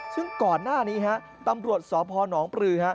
ซึ่งก่อนหน้านี้ตำรวจสอบพหนองปลือ